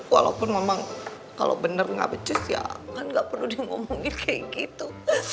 walaupun mama kalau bener gak becus ya kan gak perlu diomongin kayak gitu